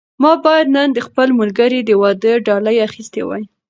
ما باید نن د خپل ملګري د واده ډالۍ اخیستې وای.